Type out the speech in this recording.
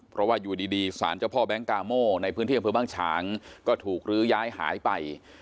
เพราะว่าอยู่ดีสารเจ้าพ่อแก๊งกาโมในพื้นที่อำเภอบ้างฉางก็ถูกลื้อย้ายหายไป